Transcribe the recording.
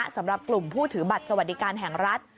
สำหรับกลุ่มผู้ถือบัตรสวัสดิการแห่งรัฐ